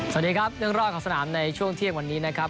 สวัสดีครับเรื่องรอดของสนามในช่วงเที่ยงวันนี้นะครับ